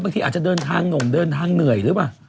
อาจจะเดินทางหนุ่มเดินทางเหนื่อยหรือเปล่า